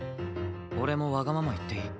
俺もわがまま言っていい？